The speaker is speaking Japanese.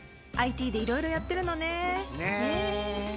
ＩＴでいろいろやってるのね。ねぇ。